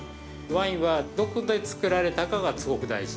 ワインはどこでつくられたかがすごく大事。